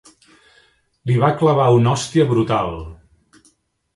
Li va clavar una hòstia brutal.